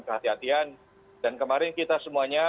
kehatian kehatian dan kemarin kita semuanya